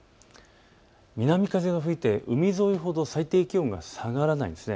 南風が吹いて海沿いほど最低気温が下がらないんです。